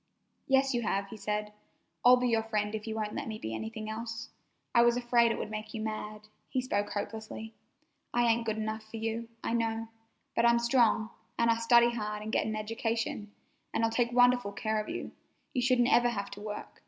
"Yes, you have," he said. "I'll be your friend if you won't let me be anything else. I was afraid it would make you mad," he spoke hopelessly. "I ain't good enough fer you, I know, but I'm strong, an' I'd study hard and get an education, and I'll take wonderful care of you. You shouldn't ever have to work.